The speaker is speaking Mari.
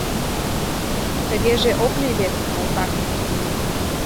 Тыгеже ок лий вет, калтак...